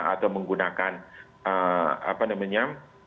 atau menggunakan apa namanya